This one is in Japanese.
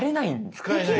使えない。